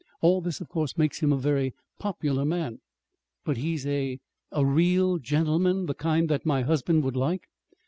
All this, of course, makes him a very popular man." "But he's a a real gentleman, the kind that my husband would like?"